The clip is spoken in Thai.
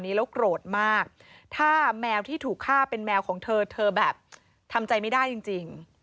แล้วโกรธมากถ้าแมวที่ถูกฆ่าเป็นแมวของเธอเธอแบบทำใจไม่ได้จริง